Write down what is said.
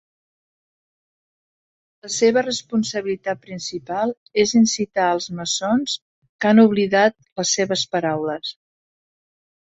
La seva responsabilitat principal és incitar els maçons que han oblidat les seves paraules.